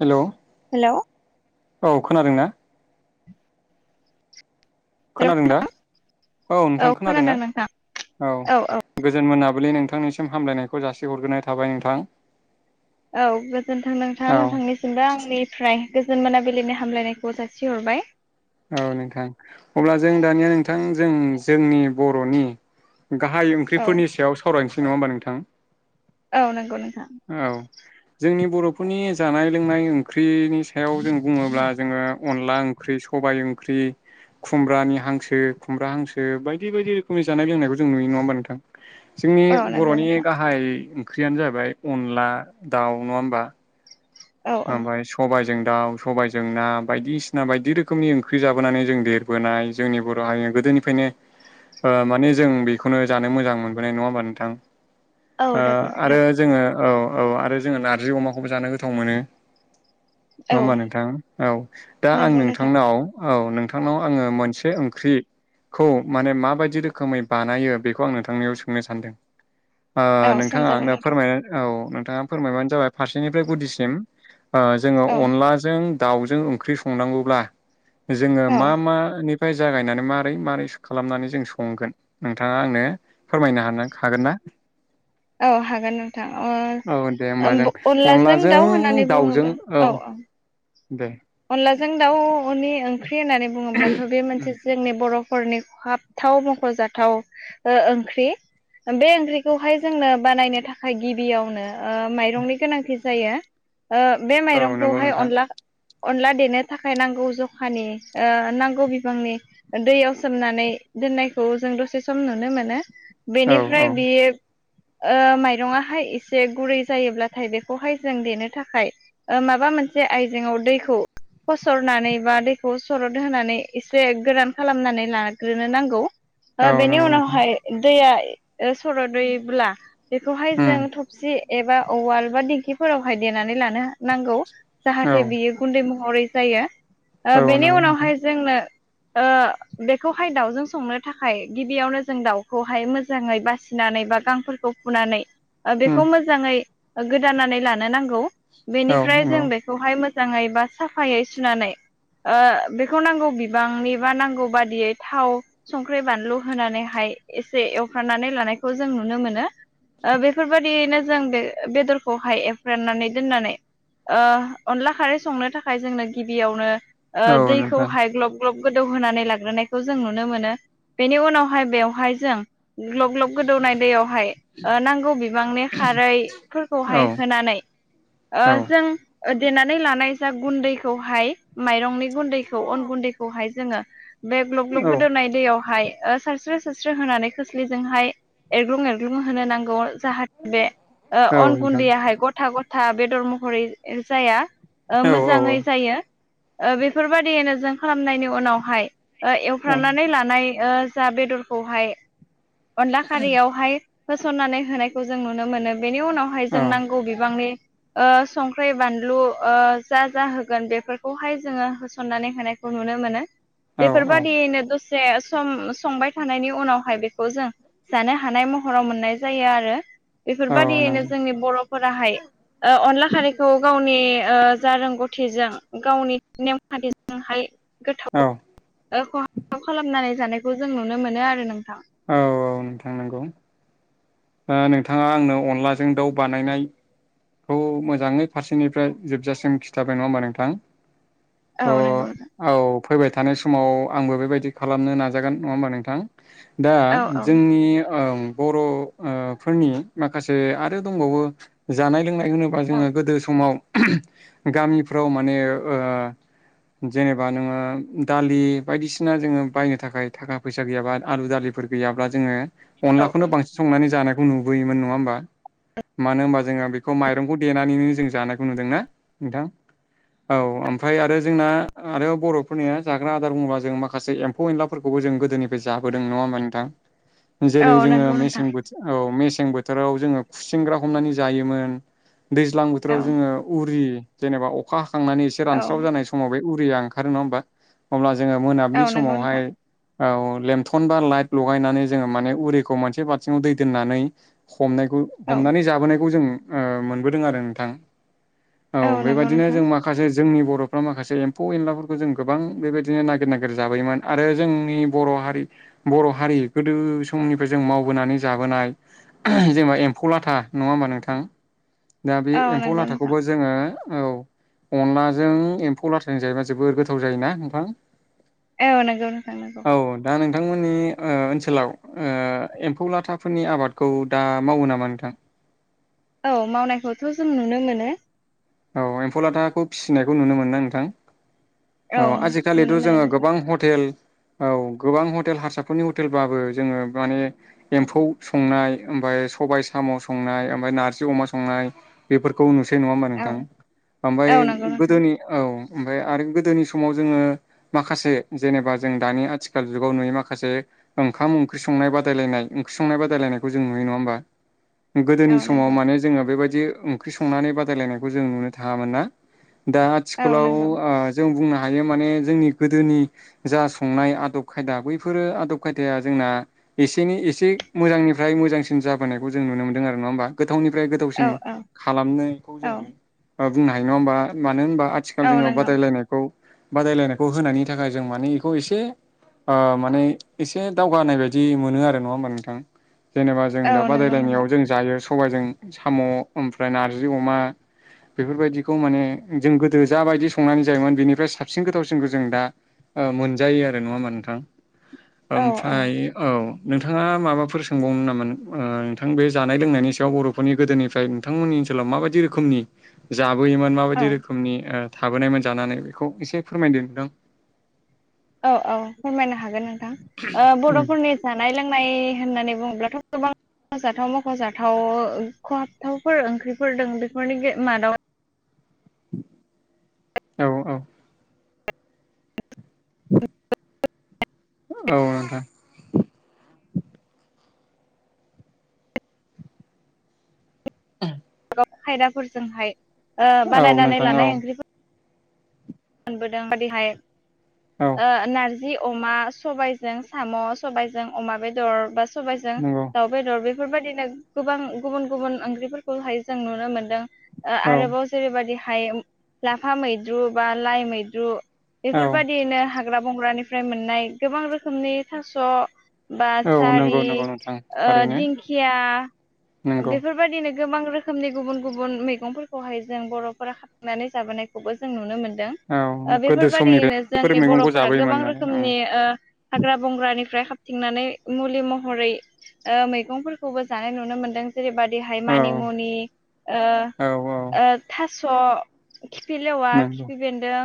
Hello hello औ खोनादोंना? Hello खोनादों दा औ औ नोंथां खोनादोंना खोनादों नोंथां औ गोजोन मोना बिलि नोंथांनिसिम हामलायनायखौ जासि हरग्रोनाय थाबाय नोंथां। औ गोजोन्थों नोंथाङा औ नोंथांनिसिमबो आंनिफ्राय गोजोन मोनाबिलिनि हामलायनायखौ जासिहरबाय। औ नोंथां अब्ला जों दानिया नोंथां जों जोंनि बर'नि गाहाय औ ओंख्रिफोरनि सायाव सावरायनोसै नङा होमबा नोंथां? औ नंगौ नोंथौ। औ। जोंनि बर'फोरनि जानाय लोंनाय ओंख्रिनि सायाव जों बुङोब्ला जोङो अनला ओंख्रि सबाय ओंख्रि खुमब्रानि हांसो खुमब्रा हांसो बायदि बायदि रोखोमनि जानाय लोंनायखौ जों नुयो नङा होमबा नोंथां। जोंनि औ नंगौ बर'नि नोंथां गाहाय ओंख्रियानो जाबाय अनला दाउ नङा होमबा। औ औ ओमफ्राय सबाइ जों दाउ सबायजों ना बायदिसिना बायदि रोखोमनि ओंख्रि जाबोनानै जों देरबोनाय जोंनि बर' हारि गोदोनिफ्रायनो माने जों बेखौनो जानो मोजां मोनबोनाय। नङा होमबा नोंथां।? औ ओ नंगौ आरो नोंथां जोङो औ औ आरो जोङो नारजि अमाखौबो जानो गोथाव मोनो। नङा औ होमबा नोंथां? औ दा आं नंगौ नोंथां नोंथांनाव औ नों नोंथांनाव आङो मोनसे ओंख्रि खौ माने माबायदि रोखोमै बानायो बेखौ आं नोंथांनियाव सोंनो सानदों। ओ औ नोंथाङा सोंजागोन आंनो नोंथां फोरमाय औ नोंथाङा फोरमायबानो जाबाय फारसेनिफ्राय गुदिसिम। ओ जोङो औ अनलाजों दाउजों ओंख्रि संनांगौब्ला जोङो औ मा मानि जागायनानै मारै मारै खालामनानै जों संगोन नोंथाङा आंनो फोरमायनो हागोनना? औ हागोन नोंथां औ दे होमबा जों अनलाजों दाउजों औ। दे अनलाजों दाउनि ओंख्रि होननानै बुङोब्लाथ' बे उम मोनसे जोंनि बर' फोरनि खहाबथाव मख'जाथाव ओ ओंख्रि। बे ओंख्रिखौहाय जोंनो बानायनो थाखाय गिबियावनो ओ माइरंनि गोनांथि जायो। ओ बे औ नंगौ माइरंखौहाय नोंथां अनला अनला देनो थाखाय नांगौ जखानि ओ नांगौ बिबांनि दैयाव सोमनानै दोननायखौ जों दसे सम नुनो मोनो औ औ बेनिफ्राय बियो ओ माइरंयाहाय एसे गुरै जायोब्लाथाय बेखौहाय जों देनो थाखाय ओ माबा माबा मोनसे आइजेंयाव दैखौ फसरनानै बा दैखौ सरद होनानै एसे गोरान खालामनानै लाग्रोनो नांगौ। ओ औ बेनि नंगौ नोंथां उनावहाय दैया ओ सर'दैब्ला बेखौहाय उम जों थबसि एबा उवाल बा दिंखिफोरावहाय देनानै लानो नांगौ औ जाहाथे बियो गुन्दै महरै जायो औ बेनि नंगौ नोंथां उनावहाय जोंनो बेखौहाय दाउजों संनो थाखाय गिबियावनो जों दाउखौहाय मोजाङै बासिनानै बा गांफोरखौ फुनानै उम बेखौ मोजाङै गोदानानै लानो नांगौ औ बेनिफ्राय नंगौ जों बेखौहाय मोजां मोजाङै बा साफायै सुनानै बेखौ नांगौ बिबांनि बा नांगौ बादियै थाव, संख्रि, बानलु होनानैहाय एसे एवखारनानै लानायखौ जों नुनो मोनो। बेफोरबाददियैनो जों बे बेदरखौहाय एफ्राननानै दोननानै अनला खारै संनो थाखाय जोंनो गिबियावनो औ नोंथां दैखौहाय ग्लब ग्लब गोदौ होनानै लाग्रोनायखौ जों नुनो मोनो बेनि उनावहाय बेवहाय जों ग्लक ल्लग गोदौनाय दैयावहाय नांगौ बिबांनि औ खारैफोरखौहाय होनानै औ जों देनानै लानाय जा गुन्दैखौहाय माइरंनि गुन्दैखौ अन गुन्दैखौहाय जोङो बे ग्लब- ग्लब औ गोदोनाय दैयावहाय सारस्रो- सारस्रो होनानै खोस्लिजोंहाय एरग्लुं -एरग्लुं होनो नांगौ। जाहाथे बे औ अन नोंथां गुन्दैयाहाय गथा- गथा बेदर महरै जाया। औ औ मोजाङै जायो बेफोरबायदियैनो जों खालामनायनि उनावहाय औ एवफ्रानानै लानाय जा बेदरखौहाय अनला खारियावहाय होसननानै होनायखौ जों नुनो मोनो। बेनि उनावहाय औ जों नांगौ बिबांनि संख्रि, बानलु जा - जा होगोन बेफोरखौहाय जोङो होसननानै होनायखौ नुनो मोनो। औ औ बेफोरबादियैनो दसे सम संबाय थानायनि उनावहाय बेखौ जों जानो हानाय महराव मोननाय जायो आरो। औ बेफोरबायदियैनो नंगौ जोंनि बर'फोराहाय अनला खारैखौ गावनि जा रोंगौथिजों गावनि नेमखान्थिजोंहाय औ गोथाव खहा खालामनानै जानायखौ जों नुनो मोनो आरो नोंथां। औ - औ नोंथां नंगौ नोंथाङा आंनो अनलाजों दाउ बानायनाय खौ मोजाङै फारसेनिफ्राय जोबजासिम खिन्थाबाय नङा होमबा नोंथां? औ नोंगौ। थ' औ फैबाय थानाय समाव आंबो बेबायदि खालामनो नाजागोन नङा होमबा नोंथां? दा औ औ जोंनि बर' फोरनि माखासे आरो दंबावो जानाय - लोंनाय होनोबा औ जोङो गोदो समाव गामिफ्राव माने जेनेबा नोङो दालि बायदिसिना जोङो बायनो थाखाय थाखा- फैसा गैयाबा आलु, दालि गैयाब्ला जोङो औ अनलाखौनो बांसिन संनानै जानायखौ नुबोयोमोन नङा होनबा मानो होनबा जोङो बेखौ माइरंखौ देनानैनो जों जानायखौ नुदोंना नोंथां? औ ओमफ्राय आरो जोंना आरो बर'फोरनिया जाग्रा आदार बुङोबा जों माखासे एम्फौ- एनलाफोरखौ खौ जों गोदोनिफ्राय जाबोदों नङा होमबा नोंथां औ जेरै जोङो नंगौ नोंथां मेसें बोथोर औ मेसें बोथोराव जोङो खुसेंग्रा हमनानै जायोमोन दैज्लां औ बोथोराव जोङो उरि जेनेबा अखा हाखांनानै एसे औ रानस्राव जानाय समाव बे उरिया ओंखारो नङा होमबा अब्ला जोङो औ मोनाबिलि नंगौ समावहाय नोंथां औ लेमथन बा लाइट लगायनानै जोङो माने उरिखौ मोनसे बालथिङाव दै दोननानै हमनायखौ औ हमनानै जाबोनायखौ जों मोनबोदों आरो नोंथां औ नंगौ बेबायाददिनो नोंथां जों माखासे जोंनि बर'फ्रा माखासे एम्फौ- एनलाफोरखौ जों गोबां बेबायदिनो नागिर -नागिर जाबोयोमोन आरो जोंनि बर' बर हारि बर' हारि गोदो समनिफ्राय जों मावबोनानै जाबोनाय जेनेबा एम्फौ लाथा नङा होमबा नोंथां दा बे औ एम्फौ नंगौ नोंथां लाथाखौबो जोङो औ अनलाजों एम्फौ लाथ्राय जायोबा जोबोर गोथाव जायोना नोंथां। औ नंगौ नों थां नगौ। औ दा नोंथांमोननि ओनसोलाव एम्फौ लाथाफोरनि आबादखौ दा मावो नामा नोंथां। औ मावनायखौथ' जों नुनो मोनो। औ एम्फौ लाथाखौ फिसिनायखौ नुनो मोना नोंथां। औ आजिखालिथ' नुनो मोनो जोङो नोंथां गोबां हटेल औ गोबां हटेल हारसाफोरनि हटेलबाबो जोङो माने एम्फौ संनाय ओमफ्राय सबाय स' संनाय म नारजि अमा संनाय बेफोरखौ नु नङा हबा औ नोंथां ओमफ्राय औ नंगौ नोंथां गोदोनि औ ओमफ्राय आरो गोदोनि माव जोङो माखासे जेनेबा जों दानि आथिखाल जुाव नुयो माखासे ओंखाम ओंख्रि ओख्रिंनाय बादायनाय ओंख्रि संनाय बादायलनाय जों नुयो नङा होमबा। औ गोदोनि समाव नंगौ माने जोङो बेबायदि ओंख्रि संनानै बादायलायनायखौ जों नुनो थाङामोन ना। दा औ आथिखालाव नंगौ जों बुंना हायो माने जोंनि गोदोनि जा संनाय आदब खायदा बैफोरो आदब खायदाया जोंना एसेै एसे मोजांनिफ्राय मोजांसिन जाबोनायखौ जों नुनो मोनदों आरो नङा होमबा। गोथावनिफ्राय गोथावसिन औ औ खालामनायखौ जों औ बुंनो हायो नङा होमबा मानो होनबा आथिखाल औ जोङो नंगौ बादायलायनायखौ बादायलायनायखौ होनायनि थाखाय जों माने बेखौ एसे माने एसे दावगानाय बायदि मोनो आरो नङा होमबा नोंथां। जेनेबा जों औ दा नंगौ बादायलायनायाव नोंथां जों जायो सबायजों साम' ओमफ्राय नारजि अमा बेफोरबायदिखौ माने जों गोदो जाबायदि संनानै जायोमोन बिनिफ्राय साबसिन गोथावसिनखौ जों दा मोनजायो आरो नङा होमा नोंथां। ओमफ्राय औ नोंथाङा माबाफोर सोंबावनो नामोन नोंथां बे जानाय लोंनायनि सायाव बर'फोरनि गोदोनिफ्राय नोंथांमोननि सोलाव माबादि रोखोमनि? थाबोयोमोन औ माबायदि रोखोमनि थाबोनायमोन जानानै बेखौ एसे फोरमायदों नोंथां। औ औ फोरमायनो हागोन नोंथां उम बर'फोरनि जानाय लोंनाय होननानै बुङोब्लाथ' गोबां मख'जाथाव मख'जाथाव खहाबथावफोर ओंख्रिफोर द बेफोरनि मादाव औ औ। औ। औ दा [unintelligible] खायदाफोरजोंहाय औ बानायनानै नोंथां औ लानाय ओंख्रिफोर मोनबोदों जेरिहाय औ नारजि जि अमा सबायजों साम' सबायजों अमा बेदर बा सबायजों नंगौ दाउ बेदर बे बेफोरबायाददिनो गोबां गुबुन गुबुन ओंख्रिफोरखौहाय जों नुनो मोनदों। औ आरोबाव जेरैबायदि हाय लाफा मैद्रु बा लाइ मैद्रु औ बेफोरबायाददियैनो हाग्रा बंग्रानिफ्राय मोननाय गोबां रोखोमनि थास' बा औ नंगौ सारि नंगौ नोंथां थारैनो दिंखिया नंगौ बेफोरबायदिनो गोबां रोखोमनि गुबुन गुबुन मैगंफोरखौहाय जों बर'फोरा खाबनानै जाबोनायखौबो जों नुनो मोनो। दों। औ गोदो समनिफ्राय बेफोरबादियैनो बेफोर जोंनि मैगंखौ बर'फोरा जाबोयोमोन गोबां नालाय ओं रोखोमनि ओ हाग्रा बंग्रानिफ्राय थिंनानै मुलि महरै ओ मैगंफोरखौबो जानाय नुनो मोन्दों। जेरैबाददिहाय मानि औ मुनि ओ औ औ ओ थास' खिफि लेवा नंगौ खिफि बेन्दों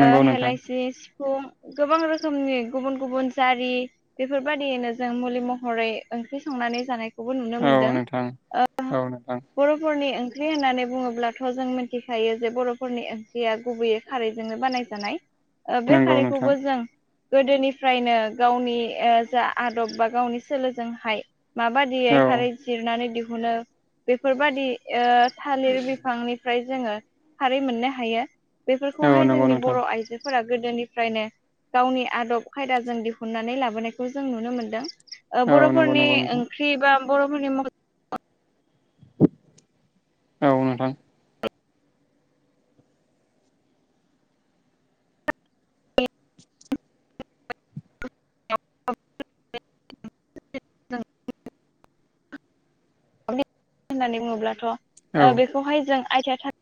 नंगौ नोंथां हेलाइसिस सिफुं गोबां रोखोमनि गुबुन गुबुन जारि बेफोरबायदियैनो जों मुलि महरै ओंख्रि संनानै जानायखौबो नुनो मोनदों औ नोंथां ओ औ नोंथां बर'फोरनि ओंख्रि होननानै बुङोब्लाथ' जों मिथिखायो जे बर'फोरनिओं या गुबैयै खारैजोंनो बानायजानाय बे नंगौ नोंथां खारैखौबो जों। गोदोनिफ्रायनो गावनि ओ जा आदब बा गावनि सोलोजोंहाय माबादियै औ खारै जिरनानै दिहुनो बेफोरबादि ओ थालिर बिफांनि फ्राय जोङो खारै मोननो हायो औ बेफोरखौहाय नंगौ जोंनि नोंथां बर' आइजोफोरा गोदोनिफ्रायनो गावनि आदब खायदाजों दिहुननानै लाबोनायखौ जों नुनो मोनदों। ओ औ नंगौ बर'फोरनि नंगौ नोंथां ओंख्रि बा बर'फोरनि औ नोंथां। [unintelligible] [inaudible] होननानै बुङोब्लाथ' औ ओ बेखौहाय जों आइथिया था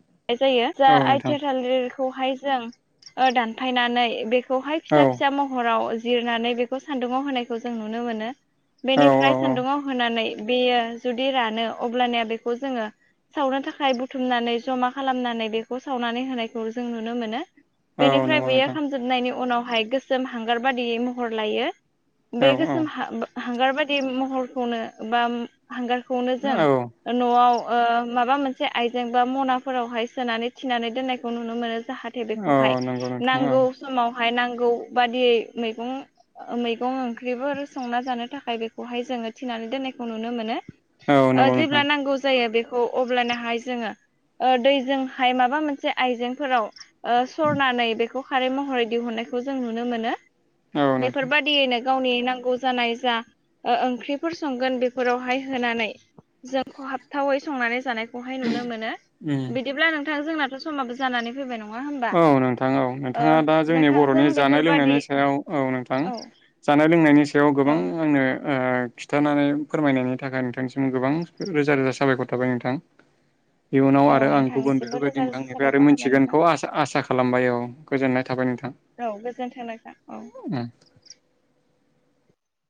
[inaudible] जायो जा औ नोंथां आइथिया थालिरखौहाय जों ओ दानफायनानै बे खौहाय औ फिसा फिसा महराव जिरनानै बेखौ सान्दुङाव होनायखौ जों नुनो मोनो। औ बेनिफ्राय औ सान्दुुङाव होनानै बेयो जुदि रानो अब्लनिया बेखौ जोङो सावनो थाखाय बुथुमनानै जमा खालामनानै बेखौ सावनानै होनायखौ जों नुनो मोनो। औ बेनिफ्राय नंगौ बेयो नोंथां खालामामजोबनायनि उनावहाय गोसोम हांगार बादियै महर लायो। औ बे औ गोसोम हा-हांगार बादि महरखौनो बा हांगार खौनो जों औ न'आव माबा मोनसे आइजें बा मना फोरावहाय सोनानै थिनानै दोननायखौ नुनो मोनो जाहाथे औ बेखौहाय नंगौ नोंथां औ नांगौ समाव हाय नांगौ बादियै मैगं मैगं ओंख्रिफोर संना जानो थाखाय बेखौहाय जों जोङो थिनानै दोननायखौ नुनो मोनो। औ ओ नंगौ जेब्ला नोंथां नांगौ जायो बेखौ अब्लानो हाय जोङो ओ दैजोंहाय माबा मोनसे आइजेंफोराव ओ सरनानै बेखौ खारै महरै दिहुननायखौ जों नुनो मोनो औ नोंथां बेफोरबादियैनो गावनि नांगौ जानाय जा ओ ओंख्रिफोर संगोन बेफोरावहाय होनानै जोंखौ खहाबथावै संनानै जानाय खौहाय नुनो मोनो उम बिदिब्ला नोंथां जोंनाथ' समाबो जानानै फैबाय न औ नोंथां औ नोंथाङा दा जोंनि नोंथांजों बर'नि जानाय बेफोरबादि लोंनायनि सायाव औ नोंथां। औ जानाय लोंनायनि सायाव औ गोबां आंनो ओ खिन्थानानै फोरमायनायनि थाखाय नोंथांनिसिम गोबां रोजा रोजा साबायखर थाबाय नोंथां। इयुनाव औ आरो आं गुबुन नोंथांनिसिमबो बेफोरबायदि रोजा रोजा नोंथांनिफाय आरो साबायखर थाबाय नोंथां मिथिगोनखौ आसा आसा खालामबाय औ गोजोननाय थाबाय नोंथां औ गोजोन्थों नोंथां औ। उम।